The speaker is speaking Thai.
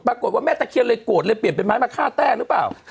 แม่ตะเคียนเลยโกรธเลยเปลี่ยนเป็นไม้มาฆ่าแต้หรือเปล่า